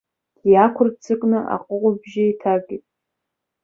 Иақәырццакны аҟыгәбжьы еиҭагеит.